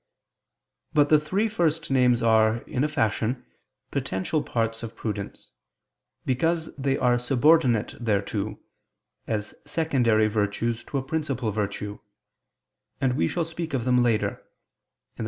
But the three first names are, in a fashion, potential parts of prudence; because they are subordinate thereto, as secondary virtues to a principal virtue: and we shall speak of them later (II II, Q.